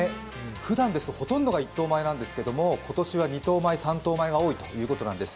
ふだんですとほとんどが１等米なんですけど今年は２等米、３等米が多いということなんです。